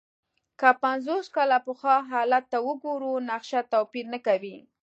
که پنځوس کاله پخوا حالت ته وګورو، نقشه توپیر نه کوي.